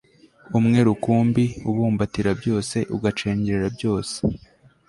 umwe rukumbi, ubumbatira byose, ugacengera byose